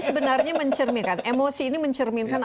sebenarnya mencerminkan emosi ini mencerminkan